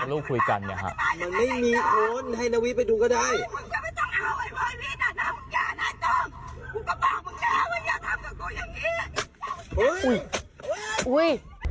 ไม่มีคนให้นาวิทย์ไปดูก็ได้